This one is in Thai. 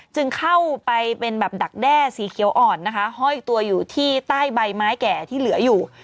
จึงเข้าไปเป็นแบบดักแด้สีเขียวอ่อนนะคะห้อยตัวอยู่ที่ใต้ใบไม้แก่ที่เหลืออยู่